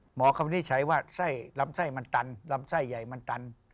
หมอเขาใช้ว่าลำไส้มันตันลำไส้ใหญ่มันตัน